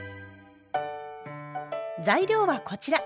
材料はこちら。